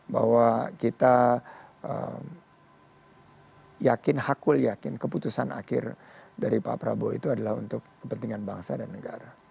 bahwa kita yakin hakul yakin keputusan akhir dari pak prabowo itu adalah untuk kepentingan bangsa dan negara